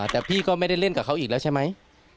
แต่พี่ก็ไม่ได้เล่นกับเขาอีกแล้วใช่ไหม